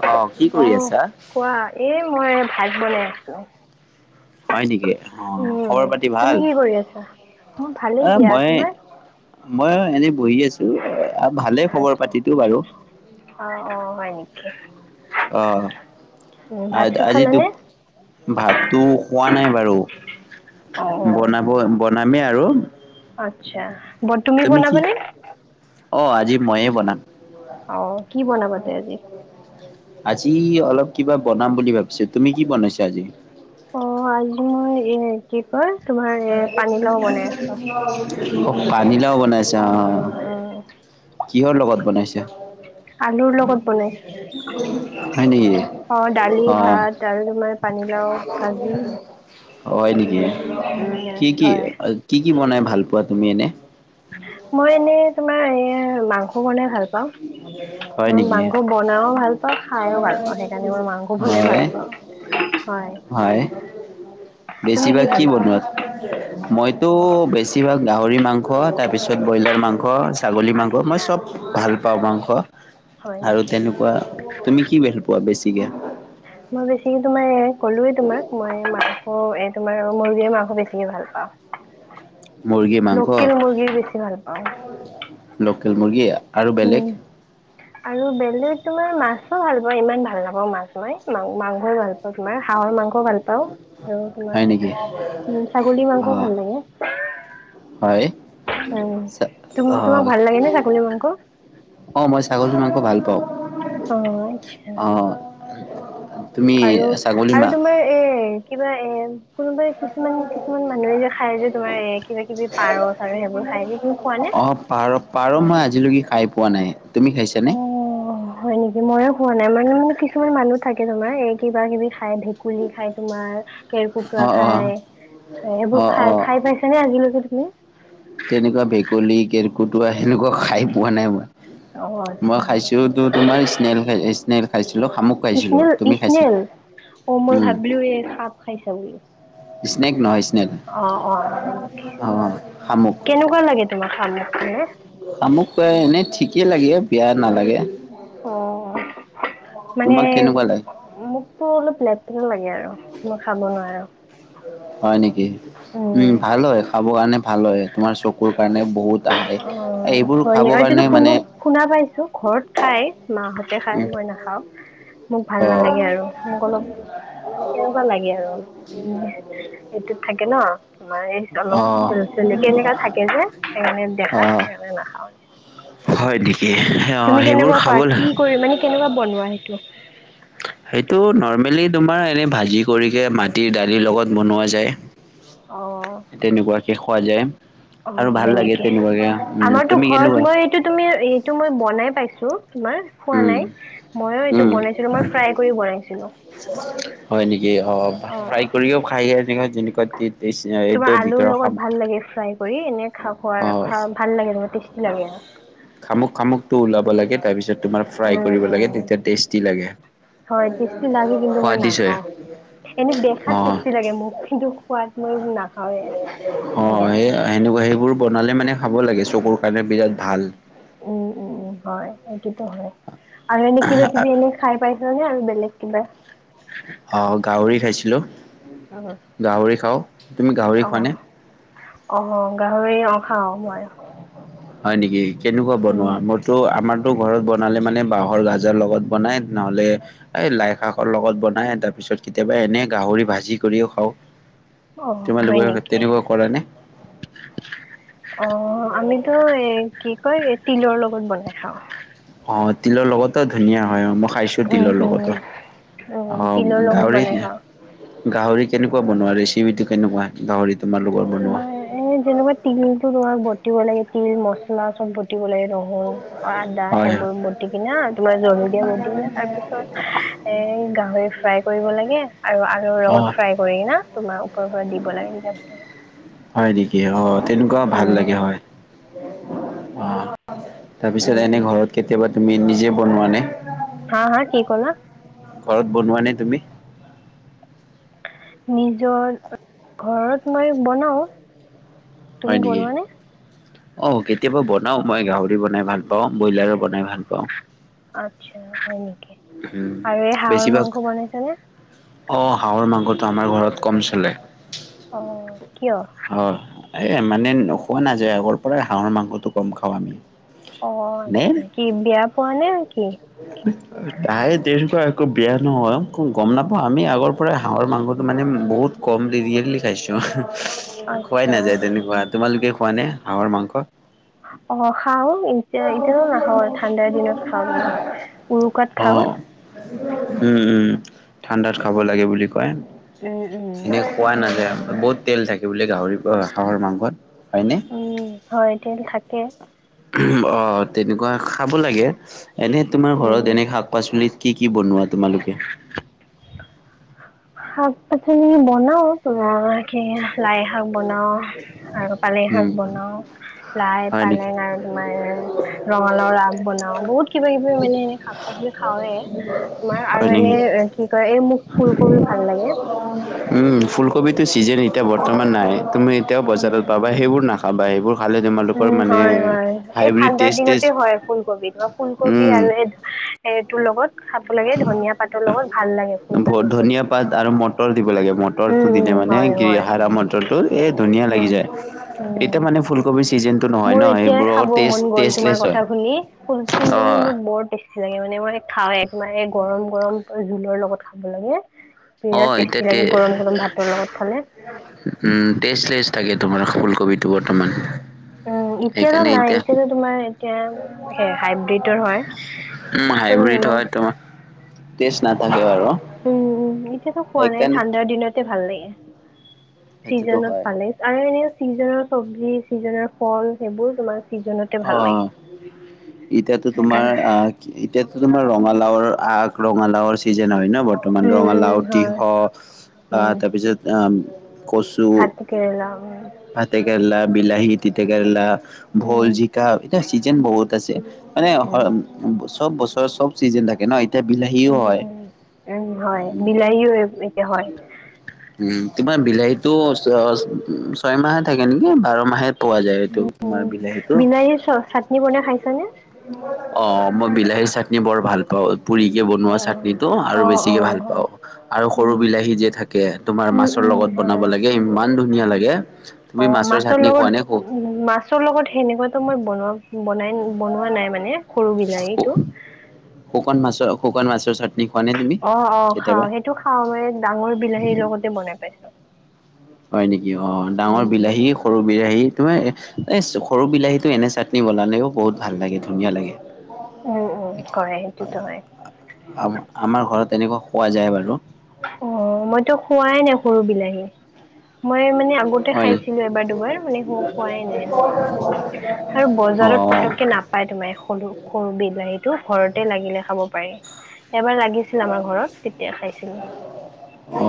অ কি কৰি আহ আছা কোৱা এই মই ভাত বনাই আছো। হয় নেকি অ উম খবৰ পাতি তুমি ভাল কি কৰি আছা অ ভালেই এ দিয়া মই তোমাৰ মই এনেই বহি আছো ভালে খবৰ আচ্ছা পাতিতো বাৰু অ অ হয় নেকি আহ উম আ ভাত চাত আজি দু খালানে ভাতটো খোৱা নাই বাৰু অ অ বনাব বনামেই আৰু আচ্ছা ব তুমি বনাবা নে অ আজি ময়ে বনাম অ কি বনাবা তে আজি আজি অলপ কিবা বনাম বুলি ভাবিছো তুমি কি বনাইছা আজি অ আজি মই এ কি কয় তোমাৰ এ পানীল বনাই আছো অ পানীলাও বনাইছো অ উম কিহৰ লগত বনাইছে আলুৰ লগত বনাইছো হয় নেকি অ দালি অ ভাত আৰু তোমাৰ পানী লাও ভাজি হয় নেকি উম কি কি, হয় কি কি বনাই ভাল পোৱা তুমি এনে মই এনেই তোমাৰ এ, মাংস বনাই ভাল পাওঁ। হয় মই নেকি? মাংস বনাইও ভাল পাওঁ, খাইও ভাল পাওঁ সেইকাৰণে মই মাংস বনাই হয়, ভাল পাওঁ। হয়। তুমি বেছিভাগ ভাল কি পোৱা বনোৱা? মইতো বেছিভাগ গাহৰি মাংস, তাৰপিছত ব্ৰইলাৰ মাংস, ছাগলী মাংস মই আচ্ছা চব ভাল পাও মাংস হয় আৰু নেকি তেনেকুৱা, তুমি কি ভেল পোৱা বেছিকে? মই বেছিকে তোমাৰ এই কলোৱে তোমাক মই মাংস, এ তোমাৰ মুৰ্গীৰ মাংস বেছিকে ভাল পাওঁ। মৰ্গী মাংস লোকেল মুৰ্গী বেছি ভাল পাওঁ লোকেল মুৰ্গী আৰু উম বেলেগ আৰু বেলেগ তোমাৰ মাছো ভাল পাওঁ ইমান ভাল নাপাওঁ মাছ মই মা মাংসই ভাল পাওঁ তোমাৰ আৰু মাংস পা আৰু হয় নেকি? তোমাৰ উ ছাগলী মাংস অ' ভাল লাগে হয়। উু তোমাক অ' ভাল লাগে ন ছাগলী মাংস আকো ভাল পাওঁ অ', আচ্ছা। [unintelligible] আৰু, ছাগলী মা আৰু তোমাৰ এ, কিবা এ কোনোবাই কিছুমান কিছুমান মানুহে যে খাই যে তোমাৰ এ কিবা কিবি পাৰ-চাৰ' আৰু সেইবোৰ খাই যে, তুমি খোৱা নে? অ', পাৰ-পাৰ মই আজিলৈকে খাই পোৱা নাই। তুমি খাইছানে? অ', হয় নেকি ময়ো খোৱা নাই। মানে মোৰ কিছুমান মানুহ থাকে তোমাৰ এই কিবা কিবি খাই ভেকুলী খাই তোমাৰ কেৰকটোৱা অ' অ' খাই। এইবোৰ অ', অ', খাই-খাই পাইছা নে আজিলৈকে তুমি? তেনেকুৱা ভেকুলি, কেৰকটোৱা সেনেকুৱা খাই পোৱা নাই মই। অ' মই আচ্ছা খাইছো তো তোমাৰ স্নেল খাই, স্নেল খাইছো। ইচ্নেল-ইচ্নেল, অ', মই উম, ভাবিলো এই সাপ খাইছা বুলি। স্নেক নহয় স্নেল, অ' অ' হয় নেকি অ', শামুক। কেনেকুৱা লাগে তোমাৰ শামুক খাই? শামুক এনেই ঠিকে লাগে, বেয়া নালাগে। অ', মানে তোমাক কেনেকুৱা লাগে মোকতো অলপ লেতৰা লাগে আৰু। মই খাব নোৱাৰো। হয় নেকি, উম, ভাল হয় খাব কাৰণে ভাল হয়। তোমাৰ চকুৰ কাৰণে বহুত, আহাই অ এইবোৰ হয় নি খাব এইটোতো কাৰণে শুনো মানে শুনা পাইছো ঘৰত খায়, মাহঁতে খায় উম, মই নাখাওঁ। মোক ভাল অ', নালাগে আৰু, মোক অলপ মানে কেনেকুৱা লাগে আৰু, এইটোত থাকে ন তোমাৰ এই অ', অ'। অলপ চ কেনেকা থাকে যে সেইকাৰণে দেখাত, সেইকাৰণে নাখাওঁ। হয় নেকি, তুমি অ', সেইবোৰ কেনেকুৱা খোৱা খাবলৈ কি কৰি মানে কেনেকুৱা বনোৱা সেইটো সেইটো নৰ্মেলি তোমাৰ এনেই ভাজি কৰিকে, মাটিৰ দালিৰ লগত বনোৱা যায়। অ তেনেকুৱাকে খোৱা যায়। আৰু অ', ভাল হয় লাগে নেকি। তেনেকুৱাকে উম, আমাৰতো তুমি ঘৰত কেনেকুৱা মই এইটো তুমি এইটো মই বনাই পাইছো। তোমাৰ খোৱা উম, নাই, ময়ো এইটো উম, বনাইছিলো, মই ফ্ৰাই কৰি বনাইছিলো। হয় নেকি, অ', ফ্ৰাই কৰিও খাই এনেকুৱা যেনেকুৱা টেষ্ট এইটো তোমাৰ আলুৰ ভিতৰৰ খাম লগত ভাল লাগে ফ্ৰাই কৰি এনে খাৱ, [unintelligible] ভাল লাগে টেষ্টি লাগে আৰু। শামুক শামুকটো ওলাব লাগে, তাৰপিছত তোমাৰ ফ্ৰাই উম, কৰিব লাগে উম, তেতিয়া টেষ্টি লাগে। হয় টেষ্টি লাগে কিন্তু মই সোৱাদিছ হয় নাখাওঁ। এনে দেখাত অ', বেছি লাগে মোক, কিন্তু খোৱাত মই না অ', সেই সেনেকুৱা সেইবোৰ বনালে মানে খাব লাগে, চকুৰ কাৰণে বিৰাট ভাল। উম উম, হয়, এইটোটো হয়। আৰু এনে কিবা কিবি এনে খাই পাইছা নে আৰু বেলেগ কিবা? অ' গাহৰি খাইছিলোঁ। গাহৰি খাওঁ। তুমি গাহৰি খোৱা নে? আহ গাহৰি অ' খাওঁ মই। হয় নেকি। কেনেকুৱা উম বনোৱা মইতো আমাৰ। টো ঘৰত বনালে মানে বাঁহৰ গাজৰ লগত বনাই, নহ'লে এ লাই শাকৰ লগত বনাই তাৰ পিছত। তাৰ পিছত কেতিয়াবা এনে গাহৰি ভাজি কৰিও খাওঁ। অ' হয় তোমালোকে নেকি। তেনেকুৱা কৰা নে? অ' আমিতো এ কি কয় তিলৰ লগত বনাই খাওঁ। অ', তিলৰ লগতো ধুনীয়া হয় অ', খাইছোঁ উম তিলৰ উম লগতো। উম অ', তিলৰ লগত গাহৰি বনাই নাই খাওঁ গাহৰি কেনেকুৱা বনোৱা, ৰেচিপিটো কেনেকুৱা? গাহৰি তোমালোকৰ বনোৱা? তোমাৰ এ যেনেকুৱা তিলতো তোমাক বটিব লাগে, তিল মচলা চব বতিব লাগে নহুৰু আদা হয় সেইবোৰ বটি কিনা, তোমাৰ জলকীয়া বটি কিনা, তাৰ পিছত এ গাহৰি ফ্ৰাই কৰিব লাগে আৰু আলুৰ হয়, অ' লগত ফ্ৰাই কৰি না তোমাৰ ওপৰ পৰা দিব লাগে, তেতিয়া ভাল লাগে। হয় নেকি, অ', তেনেকুৱা ভাল উম লাগে হয়, অ'। তাৰপিছত উম উম এনে ঘৰত কেতিয়াবা তুমি নিজে বনোৱা নে। হা হা কি ক'লা। ঘৰত বনোৱা নাই তুমি। নিজৰ ঘৰত মই বনাওঁ। হয় নেকি আহ কেতিয়াবা বনাও মই গাঁহৰি। মুড়ি বনাই ভাল পাওঁ, ব্ৰইলাৰো বনাই ভাল পাওঁ। আচ্ছা, হয় নেকি। উম আৰু এই হাহৰ বেছিভাগ মাংস বনাইছ নে। অ' হাঁহৰ মাংসটো আমাৰ ঘৰত কম চলে। অ' কিয় হয় এ মানে নোখোৱা নাযায়, আগৰ পৰাই হাঁহৰ মাংসটো কম খাওঁ আমি। অ' আচ্ছা কি বিয়া। তায় দিন একো বেয়া নহয় গ'ম নাপাওঁ, আমি আগৰ পৰাই হাঁহৰ মাংসটো মানে বহুত কম ৰিইলি খাই। খোৱাই আচ্ছা নাযায়, তেনেকুৱা তোমালোকে খোৱা নে হাঁহৰ মাংস। অ' খাওঁ এতিয়া এতিয়াতো নাখাওঁ ঠাণ্ডা দাই দিনত খাওঁ জানা উৰুকাত অ খাওঁ। উম উম ঠাণ্ডাত খাব লাগে বুলি কয় উম উম এনে খোৱা নাযায়। বহুত তেল থাকে বোলে গাহৰি, হাঁহৰ মাংসত। হয়নে? উম, হয় তেল থাকে। অ' তেনেকুৱা খাব লাগে, এনে তোমাৰ উম ঘৰত এনে শাক পাচলি। কি কি বনোৱা তোমালোকে। শাক পাচলি বনাও তোমাৰ কি লাই শাক বনাওঁ আৰু পালেং শাক উম বনাও লাই, হয় নেকি পালেং আৰু তোমাৰ ৰঙালাও আগ বনাও বহুত কিবা কিবি মানে এনে শাক পা খাওঁৱে তোমাৰ আৰু হয় নেকি এনে কি কই এই মোক ফুলকবি ভাল লাগে। ফুলকবিটো ছিজনে এতিয়া বৰ্তমান নাই, তুমি এতিয়াও উম বজাৰত পাবা, সেইবোৰ নাখাবা, সেইবোৰ খালে তোমালোকৰ উম, মানে হয়-হয় এই হাইব্ৰীড ঠাণ্ডাৰ টেষ্ট দিনতে টেষ্ট হয়, ফুলকবি বা ফুলকবি উম আৰু এই এই তোৰ লগত খাব লাগে ধনিয়া পাতৰ লগত ভাল লাগে ফুলকবি ধনিয়া চবজি পাত আৰু মটৰ দিব লাগে মটৰটো উম দিলে। উম মানে হয় হয় হাৰ মটটোৰ এ ধুনীয়া লাগি উম যায়। এতিয়া উম মানে ফুলকবি মোৰ এতিয়া খাব মন গ'ল, তোমাৰ টেষ্টলেছ হয় কথা শুনি ফুল-ফুল অ কবি মোৰ বৰ টেষ্টি লাগে মানে মোৰ খাওঁ তোমাৰে গৰম গৰম জোলৰ লগত খাব লাগে। বিৰাট অ' টেষ্টি এতিয়া তে লাগে গৰম গৰম ভাতৰ লগত খালে উম, তেজ তেজ থাকে তোমাৰ ফুলকবিটো বৰ্তমান উম এতিয়াতো সেইকাৰণে নাই এতিয়া এতিয়াতো তোমাৰ এতিয়া হে হাইব্ৰীডৰ হয় উম ত' হাইব্ৰীড ইমান হয় তোমাৰ টেষ্ট নাথাকে বাৰু উম-উম এতিয়াতো খোৱা নাই সেইকাৰণে ঠাণ্ডাৰ দিনতে ভাল লাগে। সেইটোতো চিজনত হয় পালে আৰু এনে চিজনৰ চব্জি চিজনৰ ফল সেইবোৰ তোমাৰ ছিজনতে ভাল অ, লাগে এতিয়াতো সেইকাৰণে তোমাৰ আহ এতিয়াতো তোমাৰ ৰঙালাওৰ আক ৰঙালাউৰ চিজন হয় ন বৰ্তমান উম উম ৰঙালাউ হয় তিহ তাৰপিছত কচু ভাত‌ কেৰেলা উ। ভাতে কেৰেলা, বিলাহী, তিতে কেৰেলা, ভোল, উম জিকা এতিয়া চিজন বহুত আছে মানে উম, চ'ব বছৰ চ'ব চিজন থাকে ন এতিয়া বিলাহীও হয় উম-উম-উম হয়। বিলাহীও এতিয়া হয়। উম তোমাৰ বিলাহীতটো ছয় মাহে থাকে নেকি বাৰ মাহে পোৱা যায় এইটো তোমাৰ উম, বিলাহীটো বিলাহী চ চাটনি বনাই খাইছ নে? অ' মই বিলাহী চাটনি বৰ ভাল পাওঁ। পুৰিকে বনোৱা অ', চাটনি টোৰ আৰু অ', বেছিকে ভাল অ', হয়। পাওঁ, আৰু সৰু উম, বিলাহী যে থাকে উম, মাছৰ লগত। উম, লগত বনাব হয়। লাগে ইমান ধুনীয়া লাগে। তুমি অ, মাছৰ চাটনি খোৱা নে লগত উ মাছৰ লগত সেনেকুৱাতো মই বনাৱা বনাই। বনোৱা নাই মানে সৰু বিলাহীটো। শুকান মাছৰ শুকান মছৰ চাতনি অ-অ খাও সেইটো খাও মে ডাঙৰ বিলাহীৰ লগতে বনাই পাইছো। হয় নেকি? অ, ডাঙৰ বিলাহী সৰু বিলাহী হে, তোমাৰ এ সৰু বিলাহীতটো এনে চাটনি বনালেও বহুত ভাল লাগে ধুনীয়া লাগে উম, উম, হয় সেইটোতো হয়। আ আমাৰ ঘৰত তেনেকুৱা খোৱা যায় বাৰু অ মইতো খোৱাই নাই সৰু বিলাহী মই মানে আগতে হয় খাইছিলো এবাৰ দুবাৰ মানে খোৱাই নাই এনেকুৱা আৰু অ বজাৰত পতককে নাপায় তোমাৰ সৰু-সৰু বিল বিলাহীটো ঘৰতে লাগিলে খাব পাৰেি এবাৰ লাগিছিল আমাৰ ঘৰত তেতিয়া খাইছিলো। অ,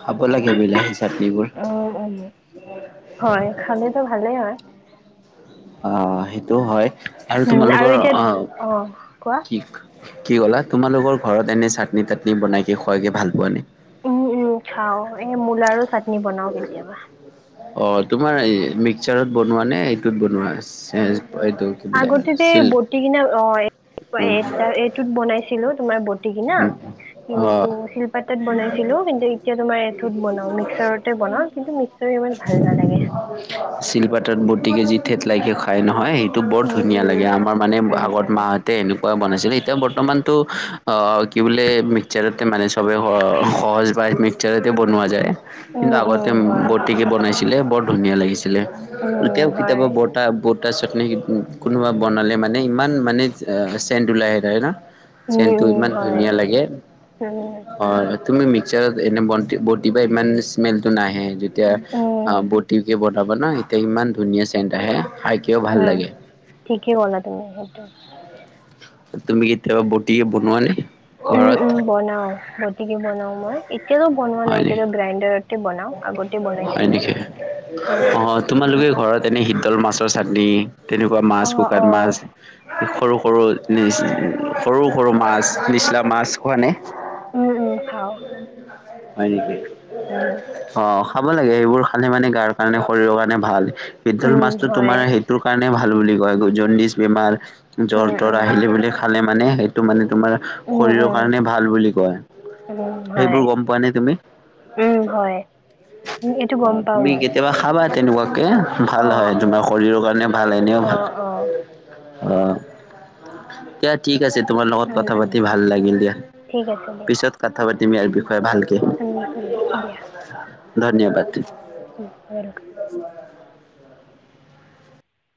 খাব লাগে বিলাহী চাটনিবোৰ উম উম। হয় খালেটো ভালেই হয়। অ, সেইটো হয় আৰু উম তোমালোকৰ এতিয়া আহ অ কোৱা? কি কি ক'লা তোমালোকৰ ঘৰত এনে চাটনি তাটনি বনাই কে খুৱাইকে ভাল পোৱা নে। উম-উম খাও এ মূলা আৰু চাটনি বনাও কেতিয়াবা। অ, তোমাৰ মিক্সাৰত বনোৱা নে এইটোত বনোৱা এইটো কি বোলে আগততে আছিল বতি কিনে অ এ এইটোত বনাইছিলো অ [inaudible] বনাও কিন্তু মিক্সাৰ ইমান ভাল নালাগে শিলপাতত বটি কেজিত ঠেত লাইকে খাই নহয় টো বৰ উম ধুনীয়া উম লাগে আমাৰ মানে আগত উম মাহঁতে এেনেকুৱা বনাইছিলে এতিয়া বৰ্তমানতটো অ কি বোলে মিক্সাৰতে মানে চবে সহজ পায় মিক্সাৰতে বনোৱা যায়। কিন্তু উম উম উম আগতে উম হয় বৰ্তিকে বনাইছিলে বৰ ধুনীয়া লাগিছিল। উম এতিয়াও কেতিয়াবা হয় বৰ্তা ব চটনি কোনোবা বনালে মানে ইমান মানে চেণ্ট উলাই এটা ন। ত উম। উম ইমান হয় ধুনীয়া লাগে উম হয়। তুমি মিক্সাৰত এনে বটি বটি বা ইমান স্মেলটো নাহে যেতিয়া উম বটি কে ৰ'ব ন এতিয়া ইমান ধুনীয়া চেণ্ট আহে। খাইকেও ভাল উম লাগে। ঠিকেই কৰা তুমি সেইটো। তুমি কেতিয়াবা বটি বনোৱা নে? উম ঘৰত উম বনাও গতিকে বনাও মই। এতিয়াও বনোৱা নাই হয় নে এতিয়া গ্ৰাইণ্ডাৰতে বনাও আগতে হয় বনাইছিলো। নেকি? উম অ' তোমালোকে ঘৰত এনে শীতল মাছ মাছ চাটনি তেনেকুৱা অ মাছ শুকান অ মাছ সৰু সৰু সৰু সৰু মাছ নিচলা মাছ খোৱা নে। উম, উম, খাওঁ। হয় নেকি উম, অ' খাব লাগে, এইবোৰ খালে মানে গাৰ কাৰণে শৰীৰৰ কাৰণে ভাল। পিটল উম, মাছটো হয়। তোমাৰ সেইটোৰ কাৰণে ভাল বুলি কয় জণ্ডিচ বেমাৰৰ জ্বৰ উম, ত্বৰ উম, আহিলে বুলি খালে মানে সেইটো মানে তোমাৰ উম, শৰীৰৰ উম, কাৰণে ভাল বুলি কয়, উম, হয়। সেইবোৰ গ'ম খোৱা নাই তুমি, উম, হয়। উম, এইটো অ গম পাওঁ তুমি মই। কেতিয়াবা খাবা। তেনেকুৱাকে ভাল অ', হয়, তোমাৰ অ', শৰীৰৰ কাৰণে ভাল এনেও ভাল। অ ক ঠিক। ঠিক আছে তোমাৰ লগত উম, কথা উম, পাতি ভাল লাগিল দিয়া, ঠিক আছে দিয়া। পিছত কথা পাতিম ইয়াৰ বিষয় উম উম দিয়া। ধনিয়া পাত দি। উ ৱেলকাম।